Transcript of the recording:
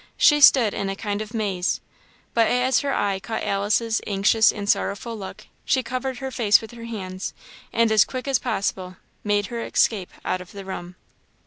She stood in a kind of maze. But as her eye caught Alice's anxious and sorrowful look, she covered her face with her hands, and as quick as possible made her escape out of the room.